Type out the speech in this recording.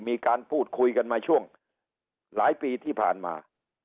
มีการพูดคุยกันมาช่วงหลายปีที่ผ่านมา